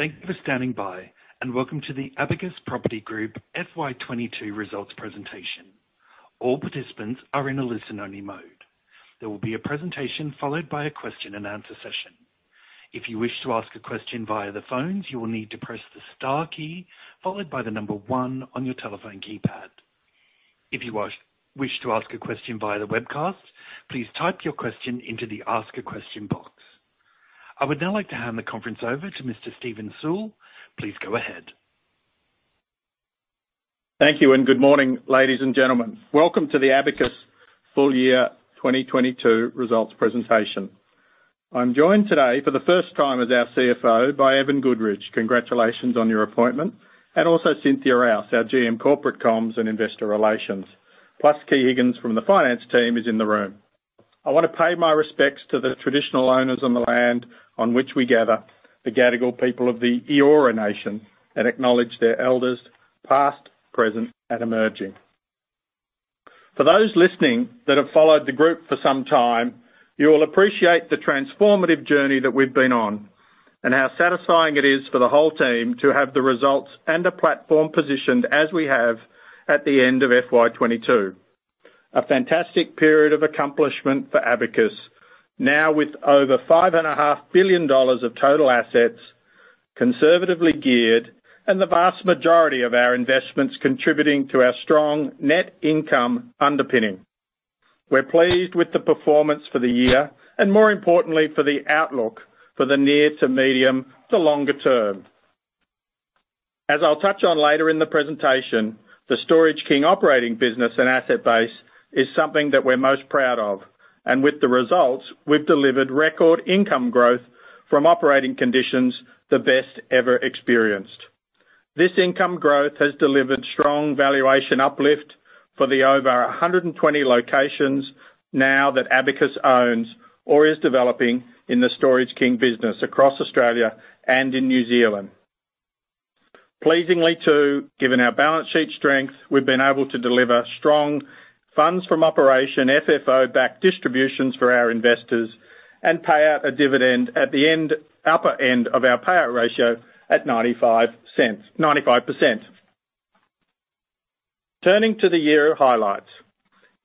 Thank you for standing by, and welcome to the Abacus Property Group FY 2022 Results Presentation. All participants are in a listen-only mode. There will be a presentation followed by a question and answer session. If you wish to ask a question via the phones, you will need to press the star key followed by the number one on your telephone keypad. If you wish to ask a question via the webcast, please type your question into the ask a question box. I would now like to hand the conference over to Mr. Steven Sewell. Please go ahead. Thank you, and good morning, ladies and gentlemen. Welcome to the Abacus Full Year 2022 Results Presentation. I'm joined today for the first time as our CFO by Evan Goodridge. Congratulations on your appointment. Also Cynthia Rouse, our GM Corporate Comms and Investor Relations, plus Kevin George from the finance team is in the room. I wanna pay my respects to the traditional owners on the land on which we gather, the Gadigal people of the Eora Nation and acknowledge their elders past, present, and emerging. For those listening that have followed the group for some time, you will appreciate the transformative journey that we've been on and how satisfying it is for the whole team to have the results and the platform positioned as we have at the end of FY 2022. A fantastic period of accomplishment for Abacus. Now with over 5.5 billion dollars of total assets, conservatively geared, and the vast majority of our investments contributing to our strong net income underpinning. We're pleased with the performance for the year, and more importantly, for the outlook for the near to medium to longer term. As I'll touch on later in the presentation, the Storage King operating business and asset base is something that we're most proud of, and with the results, we've delivered record income growth from operating conditions, the best ever experienced. This income growth has delivered strong valuation uplift for the over 120 locations now that Abacus owns or is developing in the Storage King business across Australia and in New Zealand. Pleasingly, too, given our balance sheet strength, we've been able to deliver strong funds from operations FFO-backed distributions for our investors and pay out a dividend at the upper end of our payout ratio at 95%. Turning to the year highlights.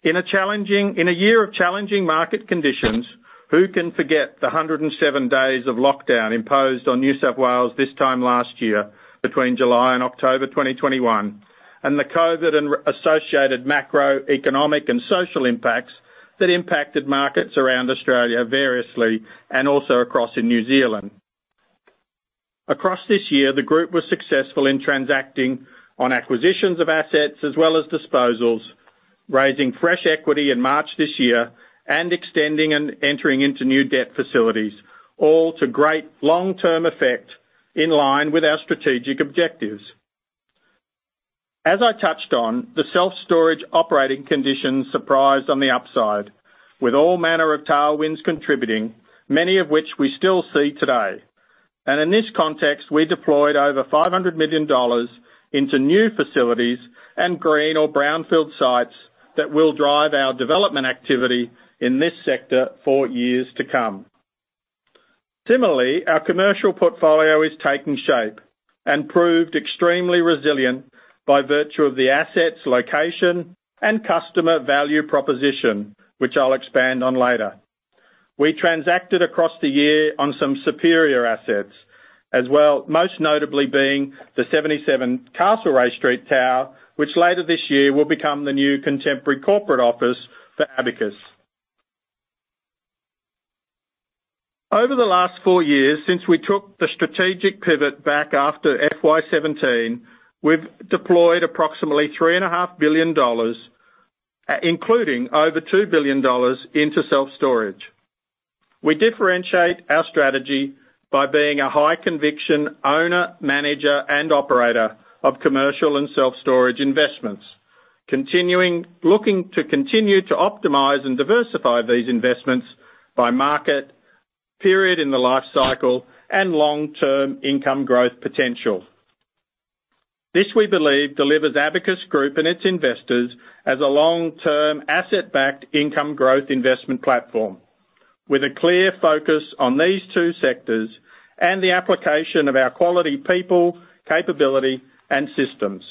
In a year of challenging market conditions, who can forget the 107 days of lockdown imposed on New South Wales this time last year between July and October 2021, and the COVID and associated macroeconomic and social impacts that impacted markets around Australia variously and also across in New Zealand. Across this year, the group was successful in transacting on acquisitions of assets as well as disposals, raising fresh equity in March this year, and extending and entering into new debt facilities, all to great long-term effect in line with our strategic objectives. As I touched on, the self-storage operating conditions surprised on the upside, with all manner of tailwinds contributing, many of which we still see today. In this context, we deployed over 500 million dollars into new facilities and green or brownfield sites that will drive our development activity in this sector for years to come. Similarly, our commercial portfolio is taking shape and proved extremely resilient by virtue of the assets, location, and customer value proposition, which I'll expand on later. We transacted across the year on some superior assets as well, most notably being the 77 Castlereagh Street tower, which later this year will become the new contemporary corporate office for Abacus. Over the last four years since we took the strategic pivot back after FY 2017, we've deployed approximately 3.5 billion dollars, including over 2 billion dollars into self-storage. We differentiate our strategy by being a high-conviction owner, manager, and operator of commercial and self-storage investments, looking to continue to optimize and diversify these investments by market, period in the life cycle, and long-term income growth potential. This, we believe, delivers Abacus Group and its investors as a long-term asset-backed income growth investment platform with a clear focus on these two sectors and the application of our quality people, capability, and systems.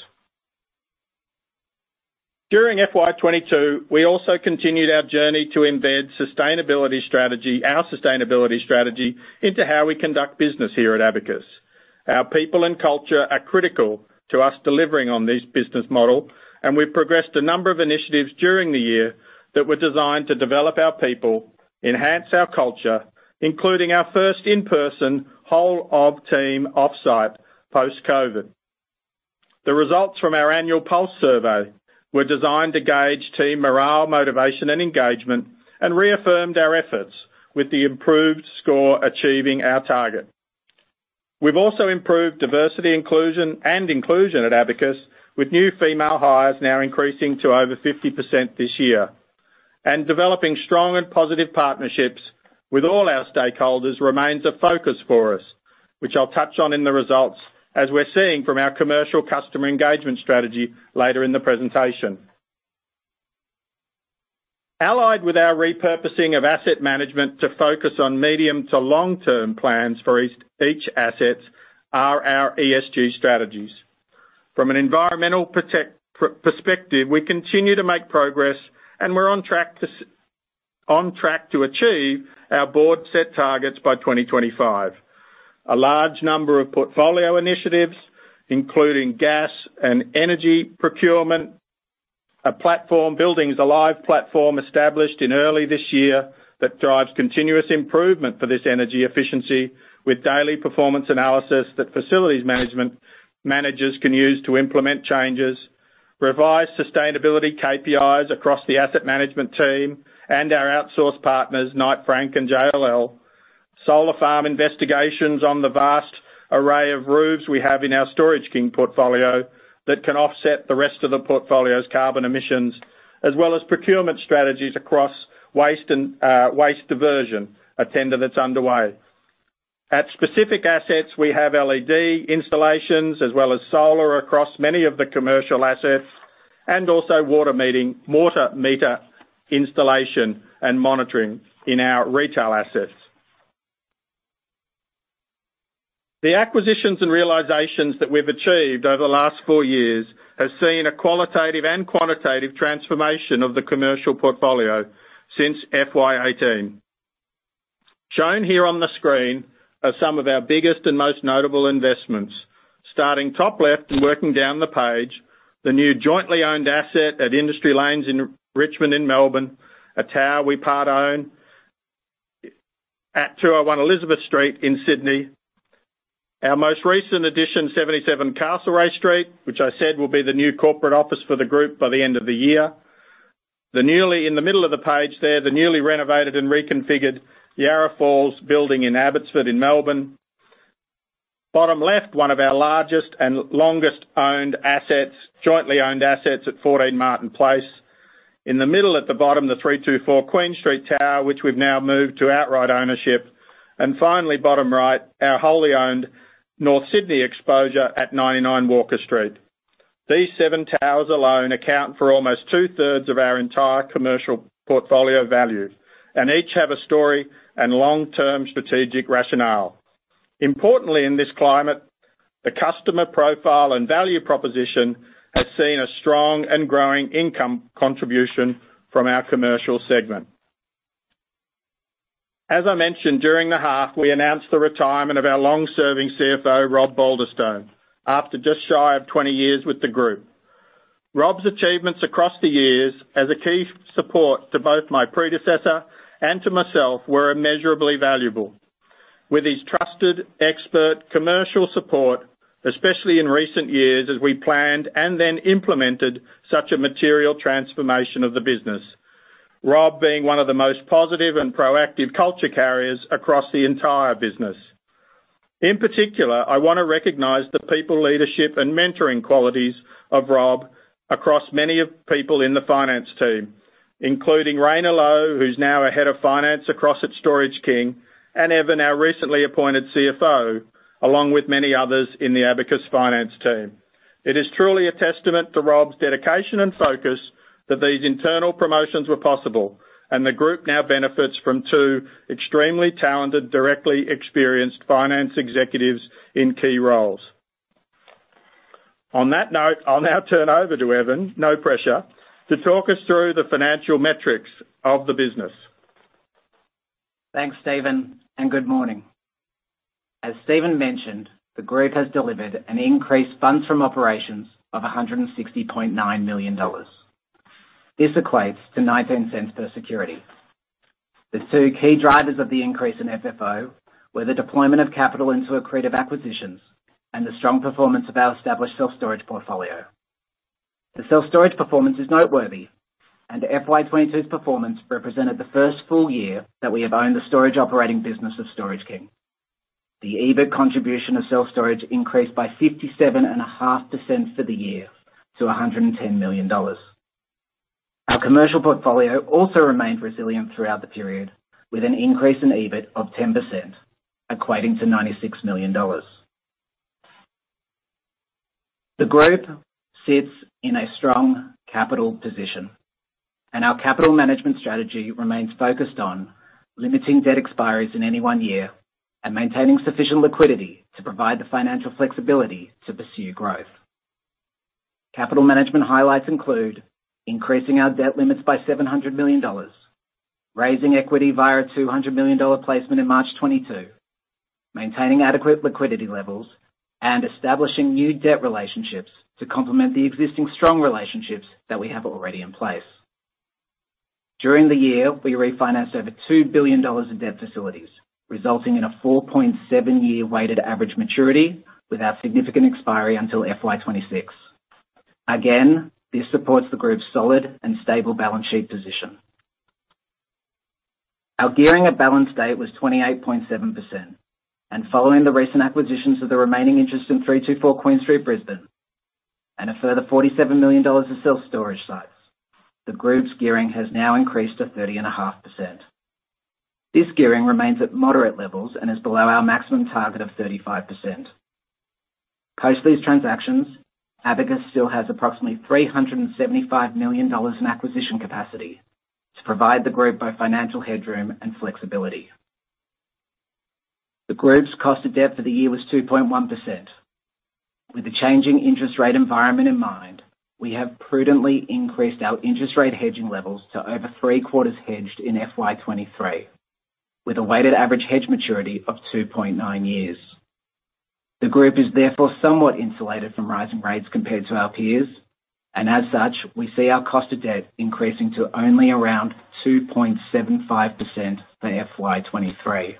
During FY 2022, we also continued our journey to embed our sustainability strategy into how we conduct business here at Abacus. Our people and culture are critical to us delivering on this business model, and we've progressed a number of initiatives during the year that were designed to develop our people, enhance our culture, including our first in-person whole org team off-site post-COVID. The results from our annual pulse survey were designed to gauge team morale, motivation, and engagement, and reaffirmed our efforts with the improved score achieving our target. We've also improved diversity and inclusion at Abacus with new female hires now increasing to over 50% this year. Developing strong and positive partnerships with all our stakeholders remains a focus for us, which I'll touch on in the results as we're seeing from our commercial customer engagement strategy later in the presentation. Allied with our repurposing of asset management to focus on medium to long-term plans for each asset are our ESG strategies. From an environmental perspective, we continue to make progress, and we're on track to achieve our board set targets by 2025. A large number of portfolio initiatives, including gas and energy procurement, a platform, Buildings Alive platform established in early this year that drives continuous improvement for this energy efficiency with daily performance analysis that facilities management managers can use to implement changes, revised sustainability KPIs across the asset management team and our outsourced partners, Knight Frank and JLL, solar farm investigations on the vast array of roofs we have in our Storage King portfolio that can offset the rest of the portfolio's carbon emissions, as well as procurement strategies across waste and waste diversion, a tender that's underway. At specific assets, we have LED installations as well as solar across many of the commercial assets and also water meter installation and monitoring in our retail assets. The acquisitions and realizations that we've achieved over the last four years have seen a qualitative and quantitative transformation of the commercial portfolio since FY18. Shown here on the screen are some of our biggest and most notable investments. Starting top left and working down the page, the new jointly owned asset at Industry Lanes in Richmond in Melbourne, a tower we part own at 201 Elizabeth Street in Sydney. Our most recent addition, 77 Castlereagh Street, which I said will be the new corporate office for the group by the end of the year. In the middle of the page there, the newly renovated and reconfigured Yarra Falls building in Abbotsford in Melbourne. Bottom left, one of our largest and longest owned assets, jointly owned assets at 14 Martin Place. In the middle at the bottom, the 324 Queen Street Tower, which we've now moved to outright ownership. Finally, bottom right, our wholly owned North Sydney exposure at 99 Walker Street. These seven towers alone account for almost two-thirds of our entire commercial portfolio value, and each have a story and long-term strategic rationale. Importantly, in this climate, the customer profile and value proposition has seen a strong and growing income contribution from our commercial segment. As I mentioned during the half, we announced the retirement of our long-serving CFO, Rob Baulderstone, after just shy of 20 years with the group. Rob's achievements across the years as a key support to both my predecessor and to myself were immeasurably valuable. With his trusted expert commercial support, especially in recent years as we planned and then implemented such a material transformation of the business, Rob being one of the most positive and proactive culture carriers across the entire business. In particular, I wanna recognize the people leadership and mentoring qualities of Rob across many of people in the finance team, including Raina Lowe, who's now a head of finance across at Storage King, and Evan, our recently appointed CFO, along with many others in the Abacus finance team. It is truly a testament to Rob's dedication and focus that these internal promotions were possible and the group now benefits from two extremely talented, directly experienced finance executives in key roles. On that note, I'll now turn over to Evan, no pressure, to talk us through the financial metrics of the business. Thanks, Steven, and good morning. As Steven mentioned, the group has delivered an increased funds from operations of 160.9 million dollars. This equates to 0.19 per security. The two key drivers of the increase in FFO were the deployment of capital into accretive acquisitions and the strong performance of our established self-storage portfolio. The self-storage performance is noteworthy, and FY 2022's performance represented the first full year that we have owned the storage operating business of Storage King. The EBIT contribution of self-storage increased by 57.5% for the year to 110 million dollars. Our commercial portfolio also remained resilient throughout the period with an increase in EBIT of 10%, equating to 96 million dollars. The group sits in a strong capital position, and our capital management strategy remains focused on limiting debt expiries in any one year and maintaining sufficient liquidity to provide the financial flexibility to pursue growth. Capital management highlights include increasing our debt limits by 700 million dollars, raising equity via a 200 million dollar placement in March 2022, maintaining adequate liquidity levels, and establishing new debt relationships to complement the existing strong relationships that we have already in place. During the year, we refinanced over 2 billion dollars in debt facilities, resulting in a 4.7-year weighted average maturity without significant expiry until FY 2026. Again, this supports the group's solid and stable balance sheet position. Our gearing at balance date was 28.7%. Following the recent acquisitions of the remaining interest in 324 Queen Street, Brisbane and a further 47 million dollars in self-storage sites, the group's gearing has now increased to 30.5%. This gearing remains at moderate levels and is below our maximum target of 35%. Post these transactions, Abacus still has approximately 375 million dollars in acquisition capacity to provide the group both financial headroom and flexibility. The group's cost of debt for the year was 2.1%. With the changing interest rate environment in mind, we have prudently increased our interest rate hedging levels to over three-quarters hedged in FY 2023, with a weighted average hedge maturity of 2.9 years. The group is therefore somewhat insulated from rising rates compared to our peers, and as such, we see our cost of debt increasing to only around 2.75% for FY 2023.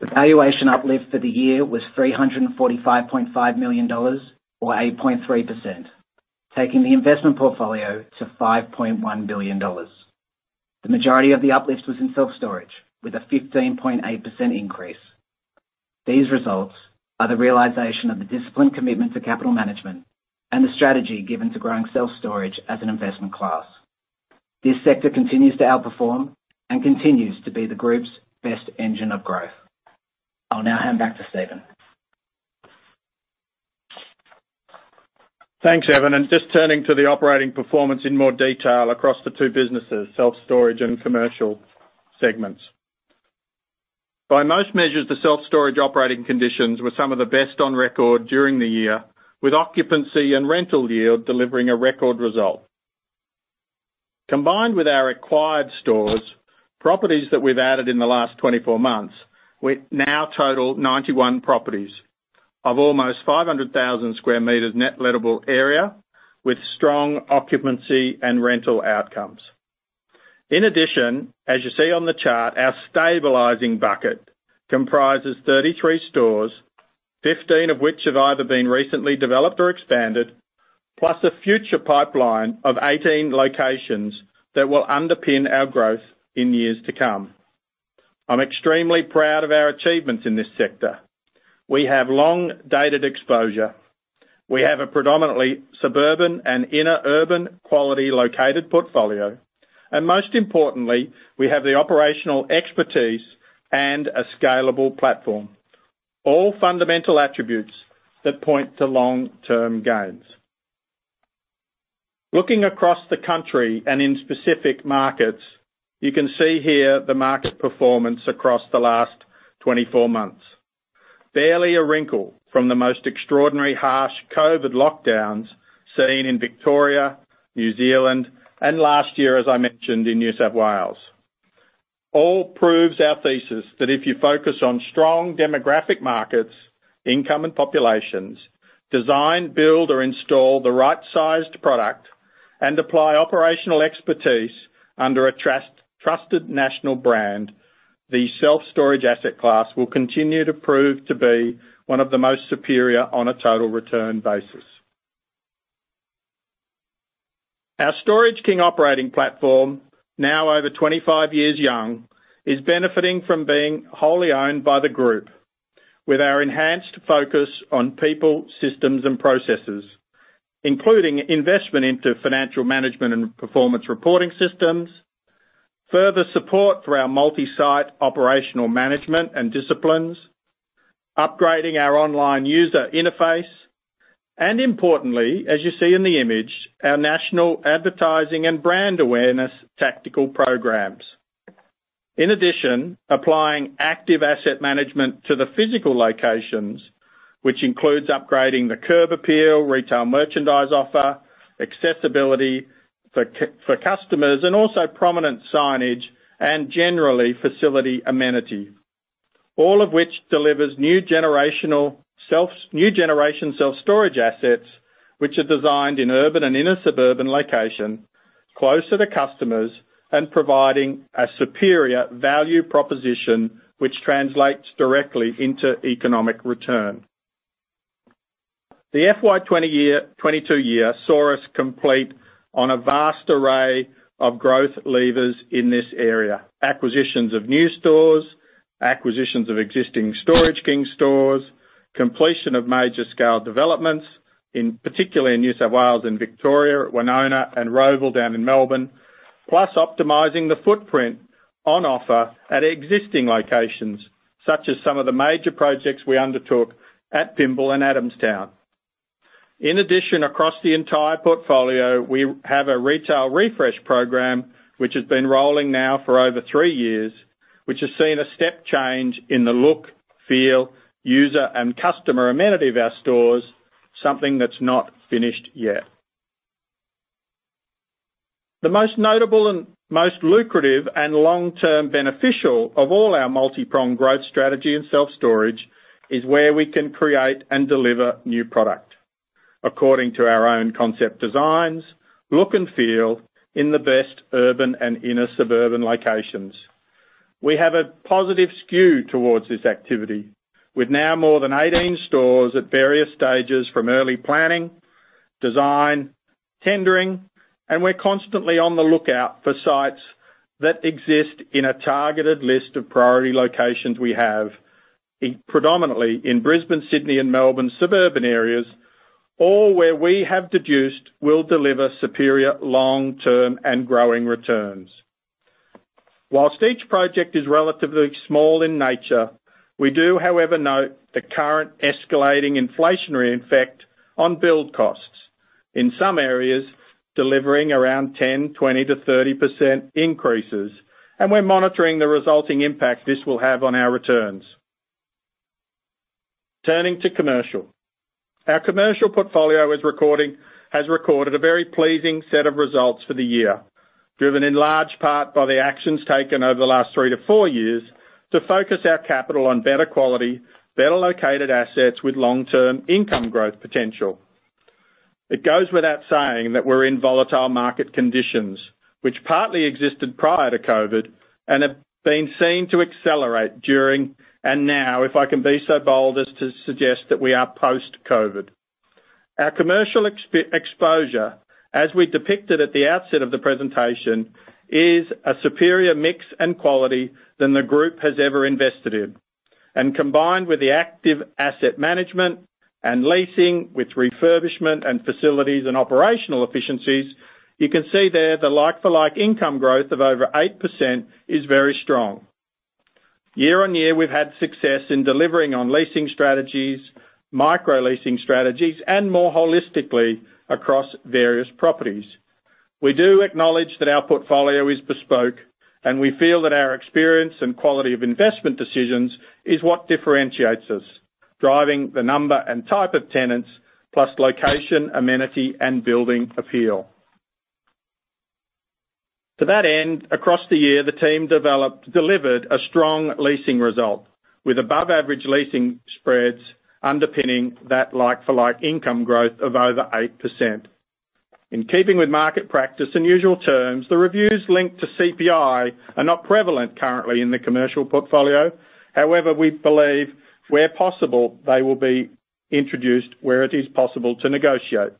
The valuation uplift for the year was 345.5 million dollars, or 8.3%, taking the investment portfolio to 5.1 billion dollars. The majority of the uplift was in self-storage with a 15.8% increase. These results are the realization of the disciplined commitment to capital management and the strategy given to growing self-storage as an investment class. This sector continues to outperform and continues to be the group's best engine of growth. I'll now hand back to Steven. Thanks, Evan. Just turning to the operating performance in more detail across the two businesses, self-storage and commercial segments. By most measures, the self-storage operating conditions were some of the best on record during the year, with occupancy and rental yield delivering a record result. Combined with our acquired stores, properties that we've added in the last 24 months, we now total 91 properties of almost 500,000 square meters net lettable area with strong occupancy and rental outcomes. In addition, as you see on the chart, our stabilizing bucket comprises 33 stores, 15 of which have either been recently developed or expanded, plus a future pipeline of 18 locations that will underpin our growth in years to come. I'm extremely proud of our achievements in this sector. We have long-dated exposure. We have a predominantly suburban and inner urban quality located portfolio, and most importantly, we have the operational expertise and a scalable platform, all fundamental attributes that point to long-term gains. Looking across the country and in specific markets, you can see here the market performance across the last 24 months. Barely a wrinkle from the most extraordinary harsh COVID lockdowns seen in Victoria, New Zealand, and last year, as I mentioned in New South Wales. All proves our thesis that if you focus on strong demographic markets, income and populations, design, build, or install the right-sized product and apply operational expertise under a trusted national brand, the self-storage asset class will continue to prove to be one of the most superior on a total return basis. Our Storage King operating platform, now over 25 years young, is benefiting from being wholly owned by the group with our enhanced focus on people, systems and processes. Including investment into financial management and performance reporting systems, further support through our multi-site operational management and disciplines, upgrading our online user interface, and importantly, as you see in the image, our national advertising and brand awareness tactical programs. In addition, applying active asset management to the physical locations, which includes upgrading the curb appeal, retail merchandise offer, accessibility for customers and also prominent signage and generally facility amenity. All of which delivers new generation self-storage assets, which are designed in urban and inner suburban location, close to the customers, and providing a superior value proposition, which translates directly into economic return. The FY 22 year saw us complete on a vast array of growth levers in this area. Acquisitions of new stores, acquisitions of existing Storage King stores, completion of large-scale developments, particularly in New South Wales and Victoria, at Woonona and Rowville down in Melbourne, plus optimizing the footprint on offer at existing locations, such as some of the major projects we undertook at Pymble and Adamstown. In addition, across the entire portfolio, we have a retail refresh program, which has been rolling now for over three years, which has seen a step change in the look, feel, use, and customer amenity of our stores, something that's not finished yet. The most notable and most lucrative and long-term beneficial of all our multi-pronged growth strategy in self-storage is where we can create and deliver new product. According to our own concept designs, look and feel in the best urban and inner suburban locations. We have a positive skew towards this activity with now more than 18 stores at various stages from early planning, design, tendering, and we're constantly on the lookout for sites that exist in a targeted list of priority locations we have, in predominantly in Brisbane, Sydney and Melbourne suburban areas, all where we have deduced will deliver superior long-term and growing returns. While each project is relatively small in nature, we do, however, note the current escalating inflationary effect on build costs. In some areas, delivering around 10, 20-30% increases, and we're monitoring the resulting impact this will have on our returns. Turning to commercial. Our commercial portfolio has recorded a very pleasing set of results for the year, driven in large part by the actions taken over the last 3-4 years to focus our capital on better quality, better-located assets with long-term income growth potential. It goes without saying that we're in volatile market conditions, which partly existed prior to COVID and have been seen to accelerate during and now, if I can be so bold as to suggest that we are post-COVID. Our commercial exposure, as we depicted at the outset of the presentation, is a superior mix and quality to the group has ever invested in. Combined with the active asset management and leasing with refurbishment and facilities and operational efficiencies, you can see there the like-for-like income growth of over 8% is very strong. Year on year, we've had success in delivering on leasing strategies, micro-leasing strategies, and more holistically across various properties. We do acknowledge that our portfolio is bespoke, and we feel that our experience and quality of investment decisions is what differentiates us, driving the number and type of tenants, plus location, amenity, and building appeal. To that end, across the year, the team delivered a strong leasing result, with above-average leasing spreads underpinning that like-for-like income growth of over 8%. In keeping with market practice and usual terms, the reviews linked to CPI are not prevalent currently in the commercial portfolio. However, we believe, where possible, they will be introduced where it is possible to negotiate.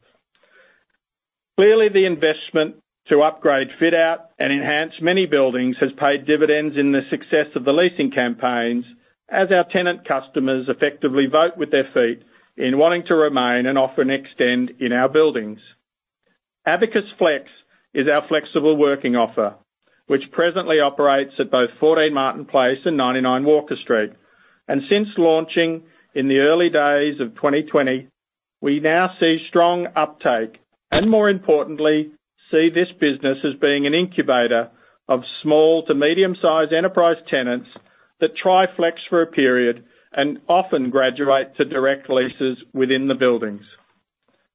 Clearly, the investment to upgrade, fit out, and enhance many buildings has paid dividends in the success of the leasing campaigns as our tenant customers effectively vote with their feet in wanting to remain and often extend in our buildings. Abacus Flex is our flexible working offer, which presently operates at both 14 Martin Place and 99 Walker Street. Since launching in the early days of 2020, we now see strong uptake, and more importantly, see this business as being an incubator of small to medium-sized enterprise tenants that try Flex for a period and often graduate to direct leases within the buildings.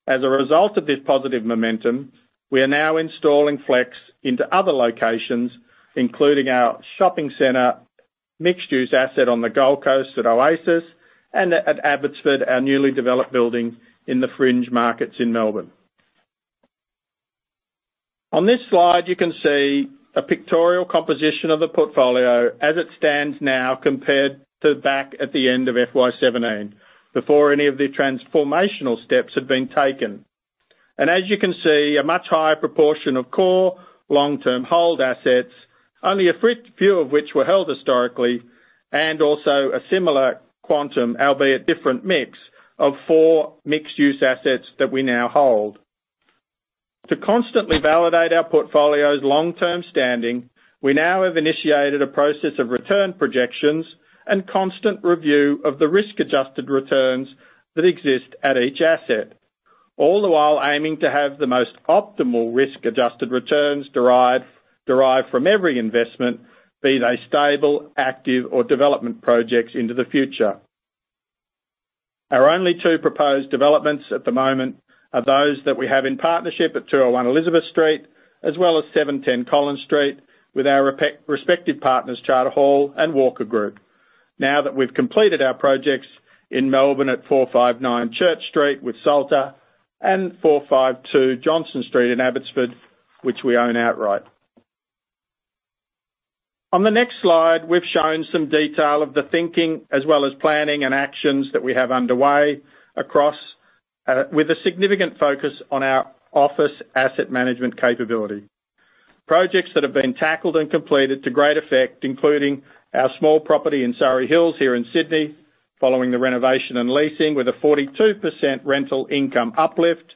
As a result of this positive momentum, we are now installing Flex into other locations, including our shopping center, mixed-use asset on the Gold Coast at Oasis, and at Abbotsford, our newly developed building in the fringe markets in Melbourne. On this slide, you can see a pictorial composition of the portfolio as it stands now compared to back at the end of FY 2017, before any of the transformational steps had been taken. As you can see, a much higher proportion of core long-term hold assets, only a few of which were held historically, and also a similar quantum, albeit different mix, of four mixed-use assets that we now hold. To constantly validate our portfolio's long-term standing, we now have initiated a process of return projections and constant review of the risk-adjusted returns that exist at each asset, all the while aiming to have the most optimal risk-adjusted returns derived from every investment, be they stable, active, or development projects into the future. Our only two proposed developments at the moment are those that we have in partnership at 201 Elizabeth Street, as well as 710 Collins Street with our respective partners, Charter Hall and Walker Corporation. Now that we've completed our projects in Melbourne at 459 Church Street with Salta and 452 Johnston Street in Abbotsford, which we own outright. On the next slide, we've shown some detail of the thinking as well as planning and actions that we have underway across, with a significant focus on our office asset management capability. Projects that have been tackled and completed to great effect, including our small property in Surry Hills here in Sydney, following the renovation and leasing with a 42% rental income uplift,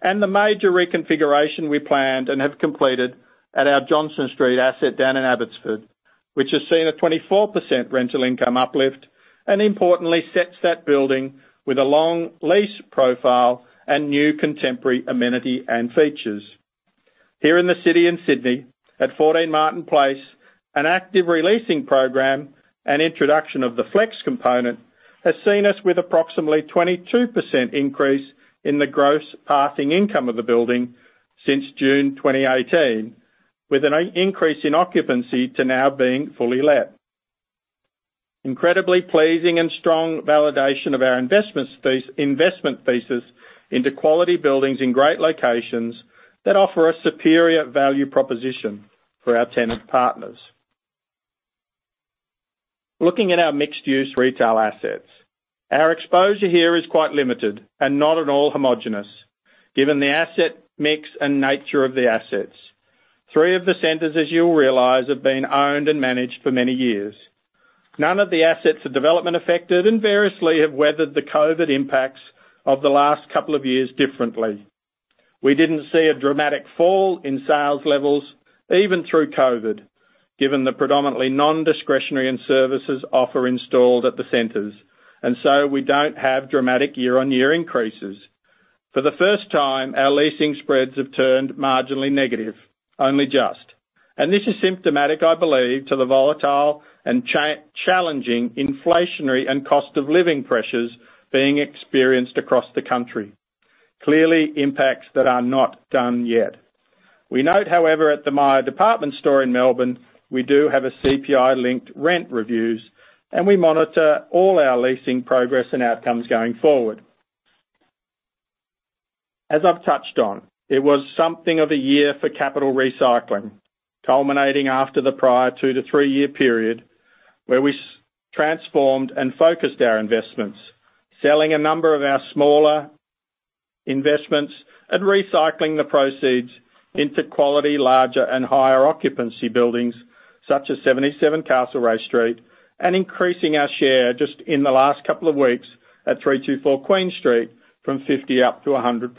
and the major reconfiguration we planned and have completed at our Johnston Street asset down in Abbotsford, which has seen a 24% rental income uplift and importantly sets that building with a long lease profile and new contemporary amenity and features. Here in the city in Sydney, at 14 Martin Place, an active re-leasing program and introduction of the flex component has seen us with approximately 22% increase in the gross passing income of the building since June 2018, with an increase in occupancy to now being fully let. Incredibly pleasing and strong validation of our investment space, investment thesis into quality buildings in great locations that offer a superior value proposition for our tenant partners. Looking at our mixed-use retail assets. Our exposure here is quite limited and not at all homogeneous, given the asset mix and nature of the assets. Three of the centers, as you'll realize, have been owned and managed for many years. None of the assets are development-affected and variously have weathered the COVID impacts of the last couple of years differently. We didn't see a dramatic fall in sales levels even through COVID, given the predominantly non-discretionary and services offering installed at the centers. We don't have dramatic year-on-year increases. For the first time, our leasing spreads have turned marginally negative, only just. This is symptomatic, I believe, to the volatile and challenging inflationary and cost of living pressures being experienced across the country. Clearly, impacts that are not done yet. We note, however, at the Myer department store in Melbourne, we do have a CPI-linked rent reviews, and we monitor all our leasing progress and outcomes going forward. As I've touched on, it was something of a year for capital recycling, culminating after the prior 2-3-year period where we transformed and focused our investments, selling a number of our smaller investments and recycling the proceeds into quality larger and higher occupancy buildings such as 77 Castlereagh Street, and increasing our share just in the last couple of weeks at 324 Queen Street from 50 up to 100%.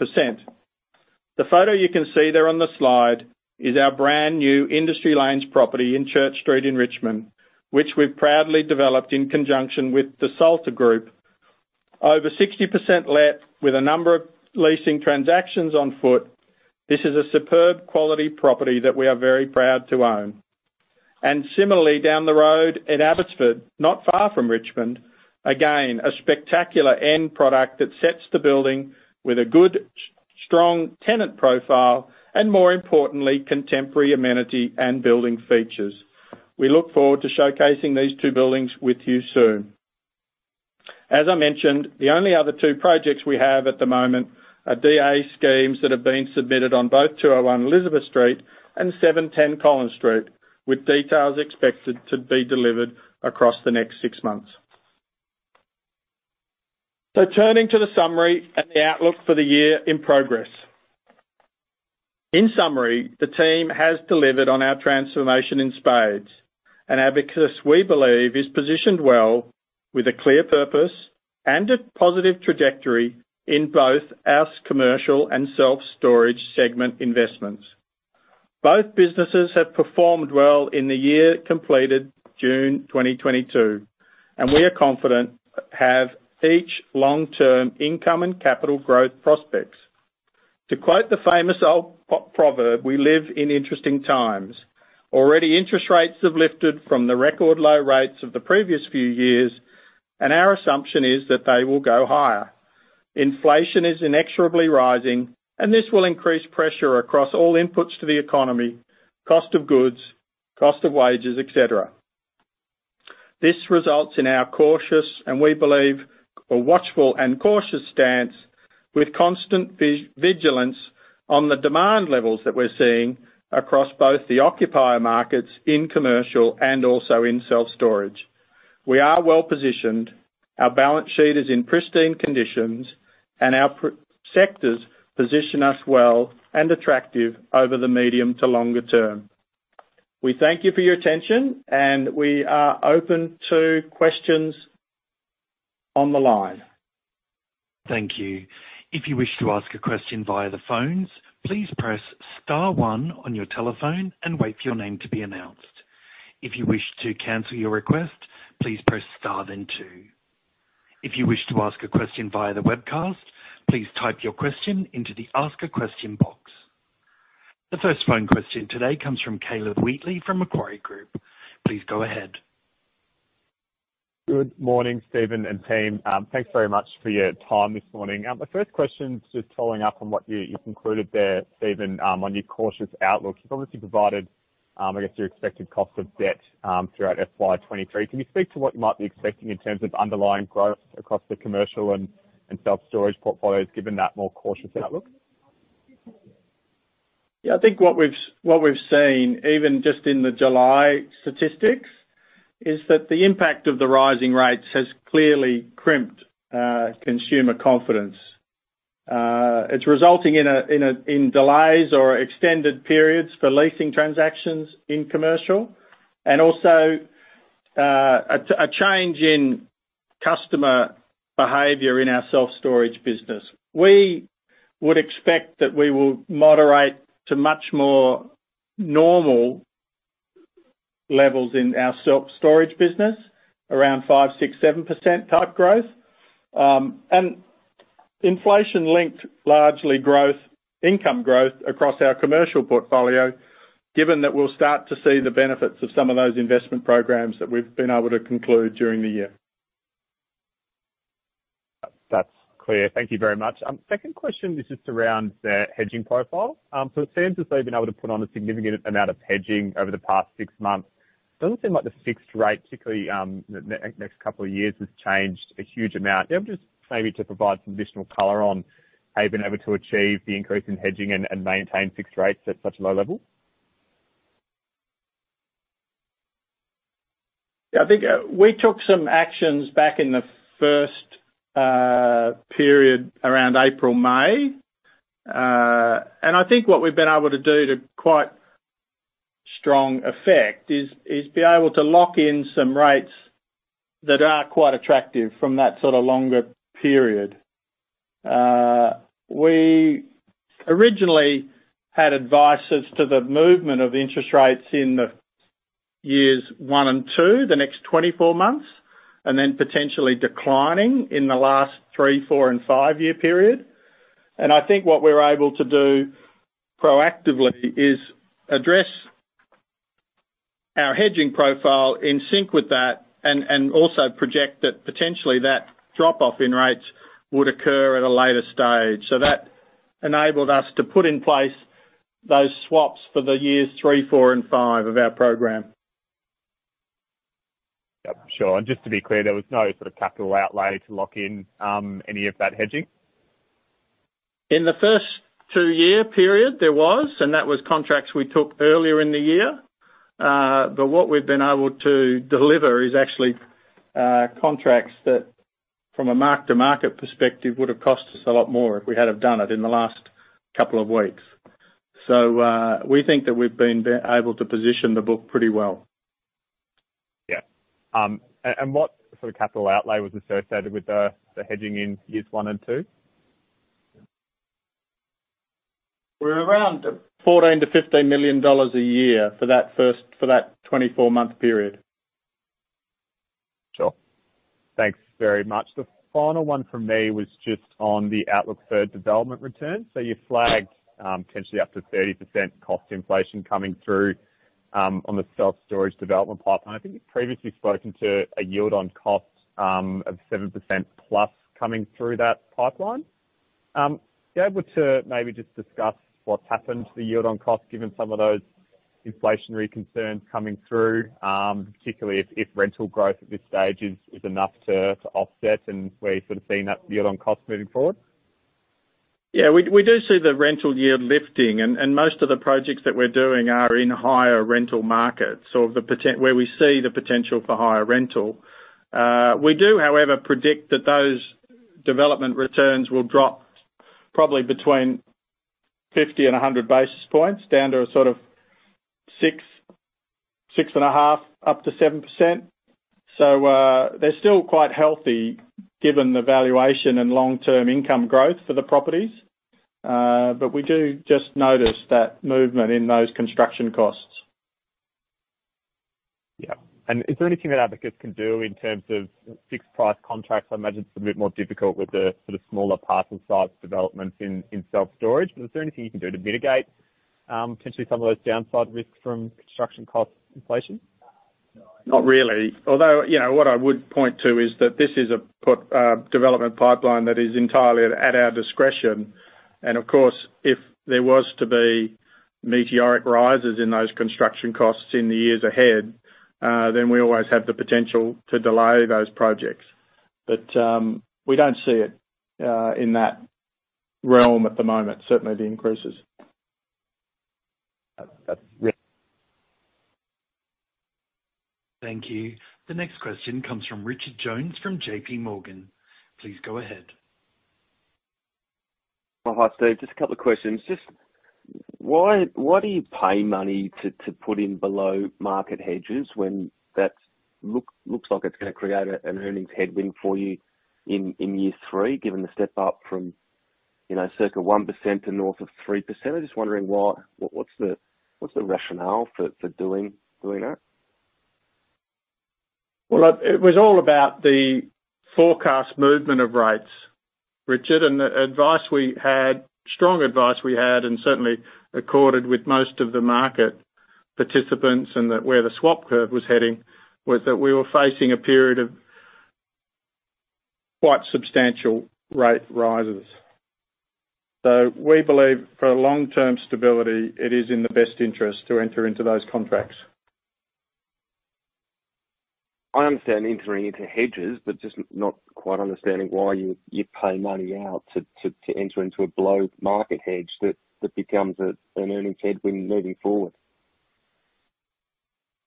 The photo you can see there on the slide is our brand new Industry Lanes property in Church Street in Richmond, which we've proudly developed in conjunction with Salta Properties. Over 60% leased with a number of leasing transactions on foot. This is a superb quality property that we are very proud to own. Similarly, down the road at Abbotsford, not far from Richmond, again, a spectacular end product that sets the building with a good, strong tenant profile, and more importantly, contemporary amenity and building features. We look forward to showcasing these two buildings with you soon. As I mentioned, the only other two projects we have at the moment are DA schemes that have been submitted on both 201 Elizabeth Street and 710 Collins Street, with details expected to be delivered across the next six months. Turning to the summary and the outlook for the year in progress. In summary, the team has delivered on our transformation in spades. Abacus, we believe, is positioned well with a clear purpose and a positive trajectory in both our commercial and self-storage segment investments. Both businesses have performed well in the year completed June 2022, and we are confident they have each long-term income and capital growth prospects. To quote the famous old proverb, we live in interesting times. Already, interest rates have lifted from the record low rates of the previous few years, and our assumption is that they will go higher. Inflation is inexorably rising, and this will increase pressure across all inputs to the economy, cost of goods, cost of wages, et cetera. This results in our cautious, and we believe a watchful and cautious stance with constant vigilance on the demand levels that we're seeing across both the occupier markets in commercial and also in self-storage. We are well-positioned, our balance sheet is in pristine conditions, and our sectors position us well and attractive over the medium to longer term. We thank you for your attention, and we are open to questions on the line. Thank you. If you wish to ask a question via the phones, please press star one on your telephone and wait for your name to be announced. If you wish to cancel your request, please press star then two. If you wish to ask a question via the webcast, please type your question into the Ask a Question box. The first phone question today comes from Caleb Wheatley from Macquarie Group. Please go ahead. Good morning, Steven and team. Thanks very much for your time this morning. My first question is just following up on what you've concluded there, Steven, on your cautious outlook. You've obviously provided, I guess your expected cost of debt, throughout FY 2023. Can you speak to what you might be expecting in terms of underlying growth across the commercial and self-storage portfolios given that more cautious outlook? I think what we've seen, even just in the July statistics, is that the impact of the rising rates has clearly crimped consumer confidence. It's resulting in delays or extended periods for leasing transactions in commercial, and also a change in customer behavior in our self-storage business. We would expect that we will moderate to much more normal levels in our self-storage business, around 5%, 6%, 7% type growth. And inflation-linked largely growth, income growth across our commercial portfolio, given that we'll start to see the benefits of some of those investment programs that we've been able to conclude during the year. That's clear. Thank you very much. Second question is just around the hedging profile. So it seems as though you've been able to put on a significant amount of hedging over the past six months. Doesn't seem like the fixed rate, particularly, the next couple of years, has changed a huge amount. Yeah, just maybe to provide some additional color on how you've been able to achieve the increase in hedging and maintain fixed rates at such a low level. Yeah. I think we took some actions back in the first period around April, May. I think what we've been able to do to quite strong effect is be able to lock in some rates that are quite attractive from that sort of longer period. We originally had advice as to the movement of interest rates in the years one and two, the next 24 months, and then potentially declining in the last three, four and five-year period. I think what we're able to do proactively is address our hedging profile in sync with that and also project that potentially that drop off in rates would occur at a later stage. That enabled us to put in place those swaps for the years three, four and five of our program. Yep, sure. Just to be clear, there was no sort of capital outlay to lock in any of that hedging? In the first two-year period, there was, and that was contracts we took earlier in the year. What we've been able to deliver is actually contracts that from a mark-to-market perspective would have cost us a lot more if we had have done it in the last couple of weeks. We think that we've been able to position the book pretty well. Yeah. What sort of capital outlay was associated with the hedging in years one and two? We're around 14 million-15 million dollars a year for that 24-month period. Sure. Thanks very much. The final one from me was just on the outlook for development returns. You flagged potentially up to 30% cost inflation coming through on the self-storage development pipeline. I think you've previously spoken to a yield on cost of 7%+ coming through that pipeline. Be able to maybe just discuss what's happened to the yield on cost, given some of those inflationary concerns coming through, particularly if rental growth at this stage is enough to offset and where you're sort of seeing that yield on cost moving forward. Yeah, we do see the rental yield lifting and most of the projects that we're doing are in higher rental markets or where we see the potential for higher rental. We do, however, predict that those development returns will drop probably between 50 and 100 basis points down to a sort of 6.5%, up to 7%. They're still quite healthy given the valuation and long-term income growth for the properties. We do just notice that movement in those construction costs. Yeah. Is there anything that Abacus can do in terms of fixed price contracts? I imagine it's a bit more difficult with the sort of smaller parcel size developments in self-storage. Is there anything you can do to mitigate potentially some of those downside risks from construction cost inflation? Not really. Although, you know, what I would point to is that this is a robust development pipeline that is entirely at our discretion. Of course, if there was to be meteoric rises in those construction costs in the years ahead, then we always have the potential to delay those projects. We don't see it in that realm at the moment, certainly the increases. That's. Thank you. The next question comes from Rich Jones from J.P. Morgan. Please go ahead. Oh, hi, Steve. Just a couple of questions. Just why do you pay money to put in below-market hedges when that looks like it's gonna create an earnings headwind for you in year three, given the step up from, you know, circa 1% to north of 3%? I'm just wondering why, what's the rationale for doing that? Well, it was all about the forecast movement of rates, Richard, and the advice we had, strong advice we had and certainly accorded with most of the market participants and where the swap curve was heading, was that we were facing a period of quite substantial rate rises. We believe for long-term stability, it is in the best interest to enter into those contracts. I understand entering into hedges, but just not quite understanding why you pay money out to enter into a below-market hedge that becomes an earnings headwind moving forward.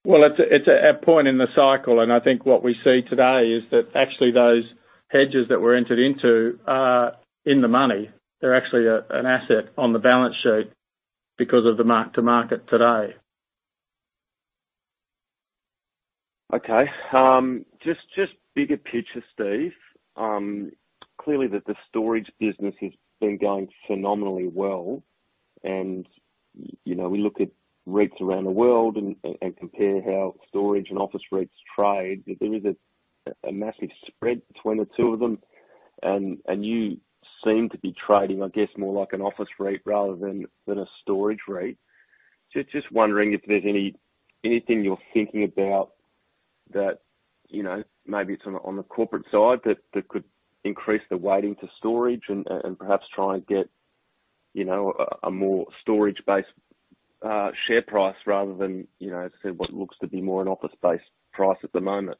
Well, it's a point in the cycle, and I think what we see today is that actually those hedges that were entered into are in the money. They're actually an asset on the balance sheet because of the mark-to-market today. Okay. Just bigger picture, Steve. Clearly, the storage business has been going phenomenally well. You know, we look at rates around the world and compare how storage and office rates trade. There is a massive spread between the two of them. You seem to be trading, I guess, more like an office rate rather than a storage rate. Just wondering if there's anything you're thinking about that, you know, maybe it's on the corporate side that could increase the weighting to storage and perhaps try and get, you know, a more storage-based share price rather than, you know, as I said, what looks to be more an office-based price at the moment.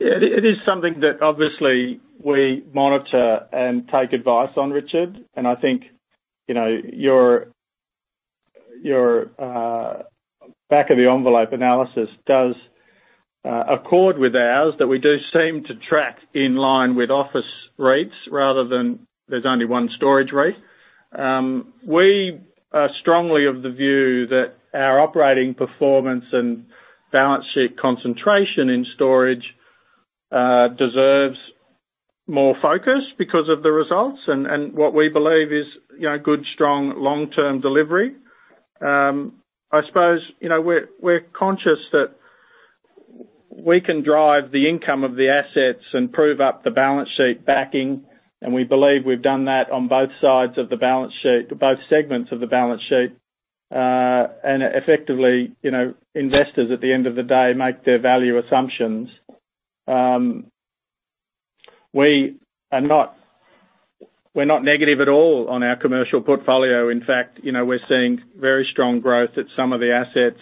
Yeah. It is something that obviously we monitor and take advice on, Richard. I think, you know, your back-of-the-envelope analysis does accord with ours that we do seem to track in line with office rates rather than there's only one storage rate. We are strongly of the view that our operating performance and balance sheet concentration in storage deserves more focus because of the results and what we believe is, you know, good, strong, long-term delivery. I suppose, you know, we're conscious that we can drive the income of the assets and prove up the balance sheet backing, and we believe we've done that on both sides of the balance sheet, both segments of the balance sheet. Effectively, you know, investors at the end of the day make their value assumptions. We're not negative at all on our commercial portfolio. In fact, you know, we're seeing very strong growth at some of the assets,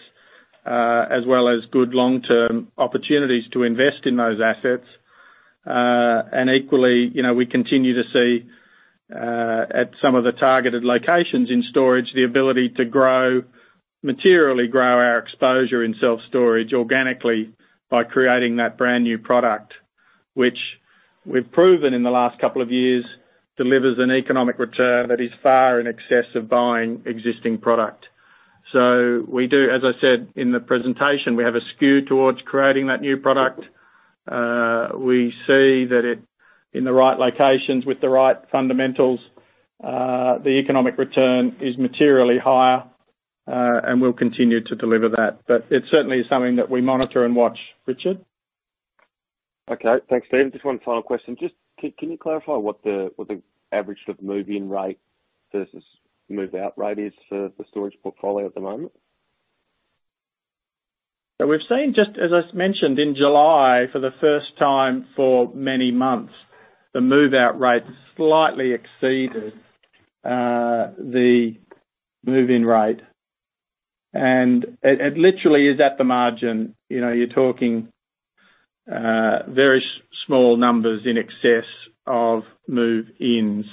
as well as good long-term opportunities to invest in those assets. Equally, you know, we continue to see, at some of the targeted locations in storage, the ability to grow, materially grow our exposure in self-storage organically by creating that brand-new product, which we've proven in the last couple of years, delivers an economic return that is far in excess of buying existing product. We do, as I said in the presentation, have a skew towards creating that new product. We see that it, in the right locations with the right fundamentals, the economic return is materially higher, and we'll continue to deliver that. It's certainly something that we monitor and watch. Richard? Okay. Thanks, Steven. Just one final question. Just can you clarify what the average for the move-in rate versus move-out rate is for the storage portfolio at the moment? We've seen, just as I mentioned, in July, for the first time for many months, the move-out rate slightly exceeded the move-in rate. It literally is at the margin. You know, you're talking very small numbers in excess of move-ins.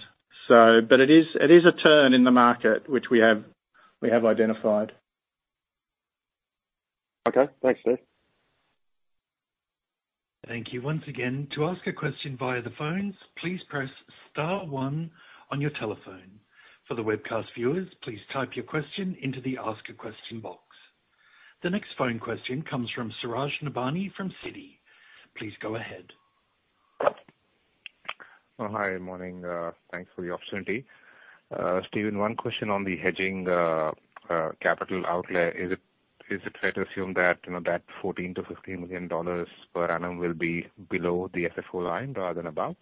It is a turn in the market which we have identified. Okay. Thanks, Steven. Thank you once again. To ask a question via the phones, please press star one on your telephone. For the webcast viewers, please type your question into the ask a question box. The next phone question comes from Suraj Nebhani from Citi. Please go ahead. Oh, hi. Morning. Thanks for the opportunity. Steven, one question on the hedging, capital outlay. Is it fair to assume that, you know, that 14 million-15 million dollars per annum will be below the FFO line rather than above?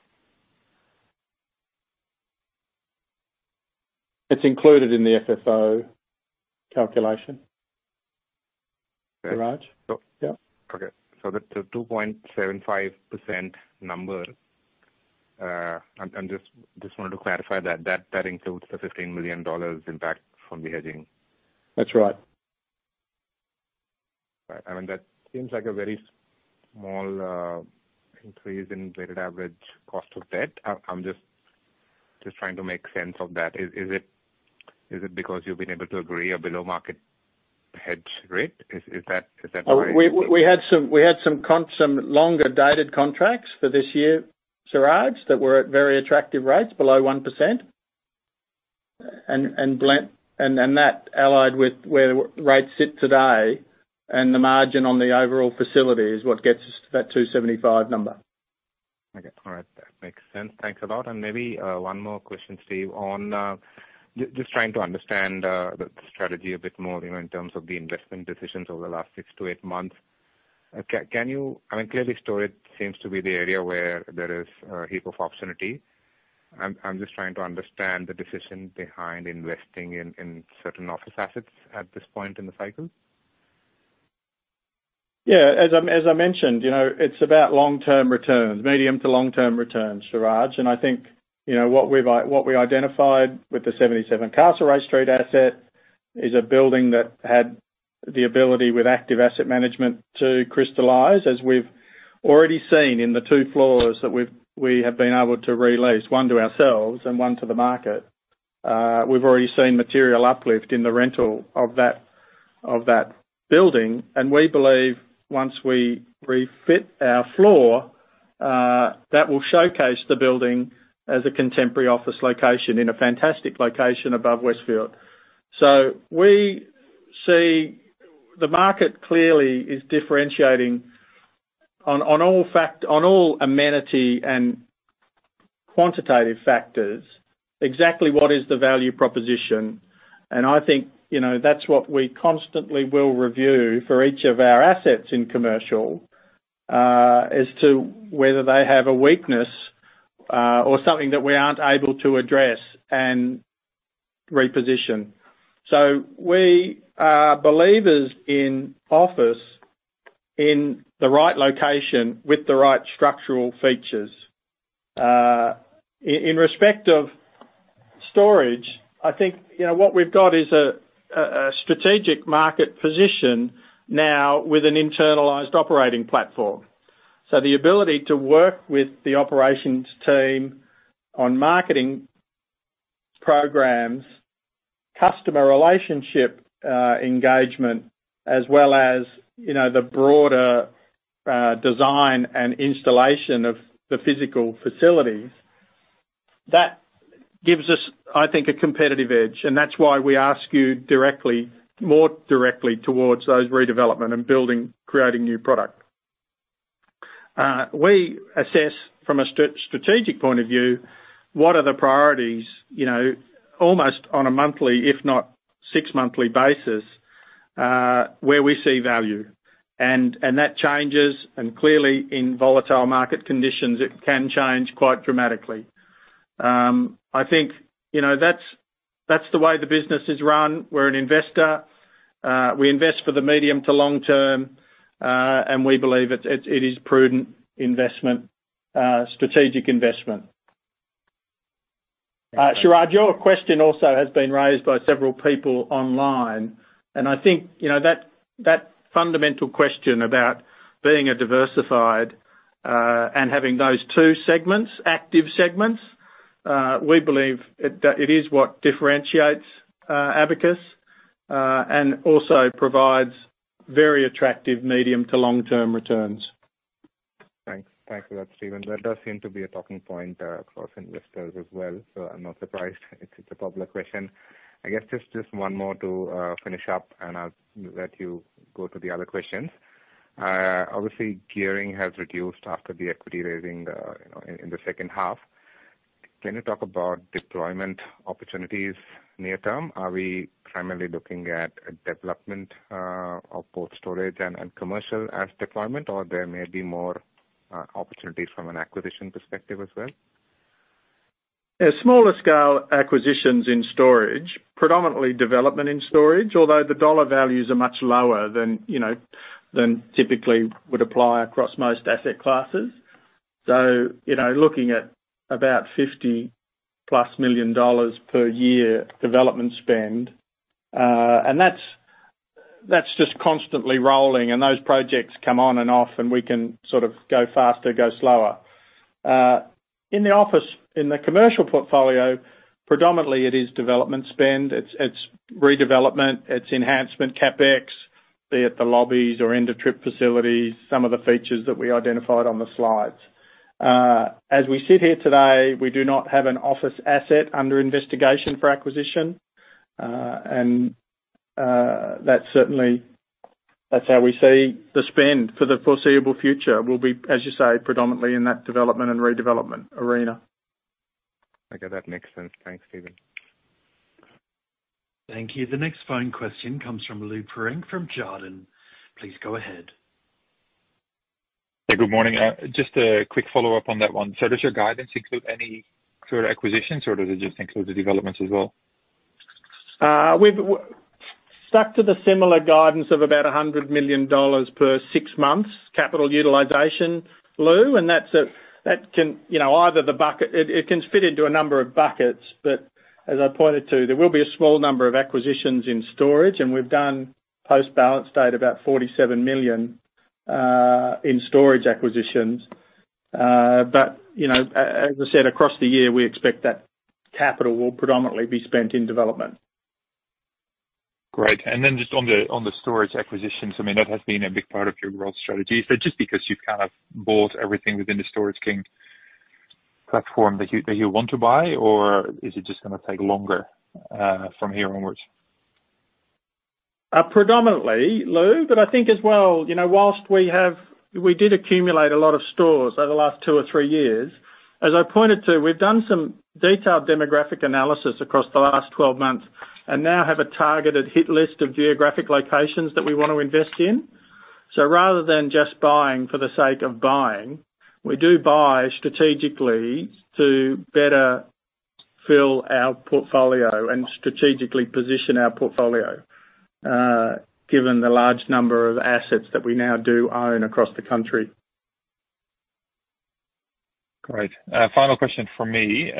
It's included in the FFO calculation. Okay. Suraj? So- Yeah. Okay. The 2.75% number, I just wanted to clarify that that includes the 15 million dollars impact from the hedging. That's right. Right. I mean, that seems like a very small increase in weighted average cost of debt. I'm just trying to make sense of that. Is it because you've been able to agree a below-market hedge rate? Is that right? We had some longer dated contracts for this year, Suraj, that were at very attractive rates below 1%. That allied with where rates sit today and the margin on the overall facility is what gets us to that 2.75 number. Okay. All right. That makes sense. Thanks a lot. Maybe one more question, Steve, on just trying to understand the strategy a bit more, you know, in terms of the investment decisions over the last six to eight months. Can you? I mean, clearly storage seems to be the area where there is a heap of opportunity. I'm just trying to understand the decision behind investing in certain office assets at this point in the cycle. Yeah. As I mentioned, you know, it's about long-term returns, medium to long-term returns, Suraj. I think, you know, what we identified with the 77 Castlereagh Street asset is a building that had the ability with active asset management to crystallize. As we've already seen in the two floors that we have been able to re-lease, one to ourselves and one to the market, we've already seen material uplift in the rental of that building. We believe once we refit our floor, that will showcase the building as a contemporary office location in a fantastic location above Westfield. We see the market clearly is differentiating on all amenity and quantitative factors, exactly what is the value proposition. I think, you know, that's what we constantly will review for each of our assets in commercial, as to whether they have a weakness, or something that we aren't able to address and reposition. We are believers in office in the right location with the right structural features. In respect of storage, I think, you know, what we've got is a strategic market position now with an internalized operating platform. The ability to work with the operations team on marketing programs, customer relationship engagement, as well as, you know, the broader design and installation of the physical facilities. That gives us, I think, a competitive edge, and that's why we ask you directly, more directly towards those redevelopment and building, creating new product. We assess from a strategic point of view, what are the priorities, you know, almost on a monthly if not six monthly basis, where we see value. That changes, and clearly in volatile market conditions, it can change quite dramatically. I think, you know, that's the way the business is run. We're an investor. We invest for the medium to long term, and we believe it is prudent investment, strategic investment. Suraj, your question also has been raised by several people online. I think, you know, that fundamental question about being a diversified, and having those two segments, active segments, we believe that it is what differentiates, Abacus, and also provides very attractive medium to long-term returns. Thanks. Thank you for that, Steven. That does seem to be a talking point for investors as well, so I'm not surprised it's a public question. I guess just one more to finish up, and I'll let you go to the other questions. Obviously gearing has reduced after the equity raising, you know, in the second half. Can you talk about deployment opportunities near term? Are we primarily looking at development of both storage and commercial as deployment, or there may be more opportunities from an acquisition perspective as well? Yeah, smaller scale acquisitions in storage, predominantly development and storage. Although the dollar values are much lower than, you know, than typically would apply across most asset classes. You know, looking at about 50+ million dollars per year development spend, and that's just constantly rolling and those projects come on and off, and we can sort of go faster, go slower. In the office, in the commercial portfolio, predominantly it is development spend. It's redevelopment, it's enhancement, CapEx, be it the lobbies or end-of-trip facilities, some of the features that we identified on the slides. As we sit here today, we do not have an office asset under investigation for acquisition. And that's certainly. That's how we see the spend for the foreseeable future will be, as you say, predominantly in that development and redevelopment arena. Okay. That makes sense. Thanks, Steven. Thank you. The next phone question comes from Lou Pirenc from Jarden. Please go ahead. Hey, good morning. Just a quick follow-up on that one. Does your guidance include any further acquisitions, or does it just include the developments as well? We've stuck to the similar guidance of about 100 million dollars per six months capital utilization, Lou, and that's that can, you know, It can fit into a number of buckets. As I pointed to, there will be a small number of acquisitions in storage, and we've done post-balance date about 47 million in storage acquisitions. You know, as I said, across the year, we expect that capital will predominantly be spent in development. Great. Then just on the storage acquisitions, I mean, that has been a big part of your growth strategy. Just because you've kind of bought everything within the Storage King platform that you want to buy, or is it just gonna take longer from here onwards? Predominantly, Lou, but I think as well, you know, while we did accumulate a lot of stores over the last 2 or 3 years. As I pointed to, we've done some detailed demographic analysis across the last 12 months and now have a targeted hit list of geographic locations that we want to invest in. Rather than just buying for the sake of buying, we do buy strategically to better fill our portfolio and strategically position our portfolio, given the large number of assets that we now do own across the country. Great. Final question from me.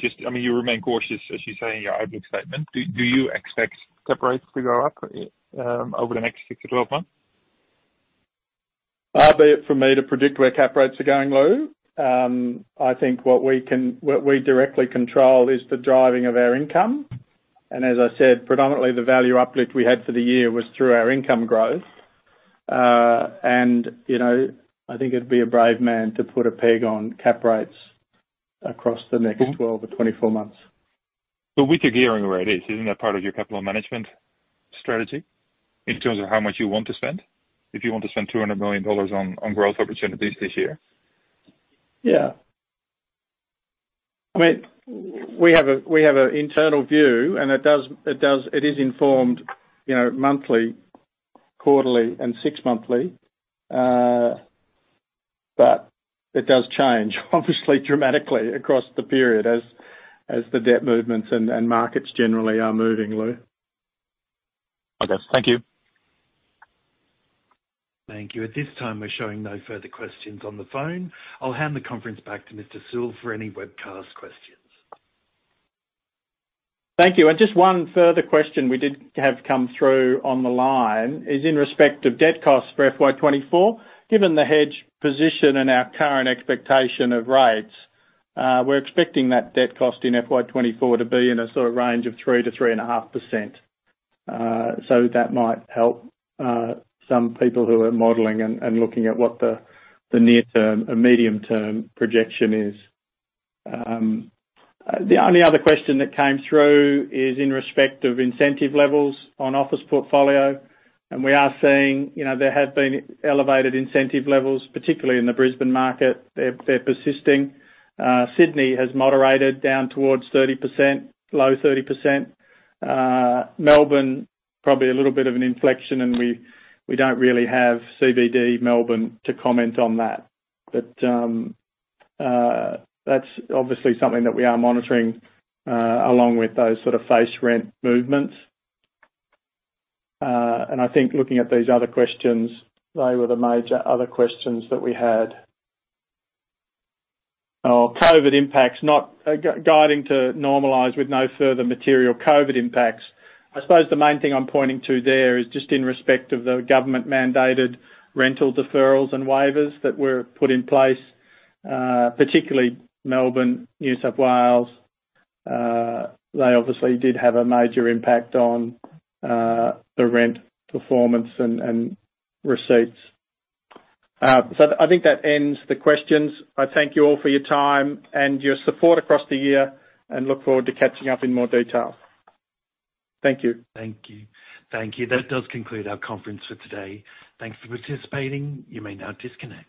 Just, I mean, you remain cautious, as you say in your opening statement. Do you expect cap rates to go up over the next 6-12 months? Hard be it for me to predict where cap rates are going, Lou. I think what we directly control is the driving of our income. As I said, predominantly the value uplift we had for the year was through our income growth. You know, I think it'd be a brave man to put a peg on cap rates across the next. Mm-hmm. 12 or 24 months. With your gearing where it is, isn't that part of your capital management strategy in terms of how much you want to spend, if you want to spend 200 million dollars on growth opportunities this year? Yeah. I mean, we have a internal view, and it is informed, you know, monthly, quarterly, and six monthly. It does change obviously dramatically across the period as the debt movements and markets generally are moving, Lou. Okay. Thank you. Thank you. At this time, we're showing no further questions on the phone. I'll hand the conference back to Mr. Sewell for any webcast questions. Thank you. Just one further question we did have come through on the line is in respect of debt costs for FY 2024. Given the hedge position and our current expectation of rates, we're expecting that debt cost in FY 2024 to be in a sort of range of 3%-3.5%. That might help, some people who are modeling and looking at what the near term or medium term projection is. The only other question that came through is in respect of incentive levels on office portfolio, and we are seeing, you know, there have been elevated incentive levels, particularly in the Brisbane market. They're persisting. Sydney has moderated down towards 30%, low 30%. Melbourne, probably a little bit of an inflection, and we don't really have CBD Melbourne to comment on that. That's obviously something that we are monitoring, along with those sort of face rent movements. I think looking at these other questions, they were the major other questions that we had. COVID impacts. Not guiding to normalize with no further material COVID impacts. I suppose the main thing I'm pointing to there is just in respect of the government-mandated rental deferrals and waivers that were put in place, particularly Melbourne, New South Wales. They obviously did have a major impact on the rent performance and receipts. I think that ends the questions. I thank you all for your time and your support across the year, and look forward to catching up in more detail. Thank you. Thank you. That does conclude our conference for today. Thanks for participating. You may now disconnect.